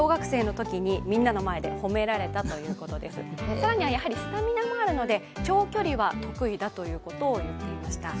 更にはスタミナもあるので長距離は得意だということを言っていました。